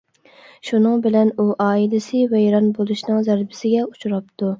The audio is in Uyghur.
شۇنىڭ بىلەن ئۇ ئائىلىسى ۋەيران بولۇشنىڭ زەربىسىگە ئۇچراپتۇ.